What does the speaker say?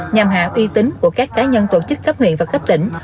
nhằm hạ uy tín của các cá nhân tổ chức cấp huyện và cấp tỉnh